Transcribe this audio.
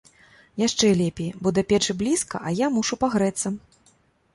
Яшчэ лепей, бо да печы блізка, а я мушу пагрэцца.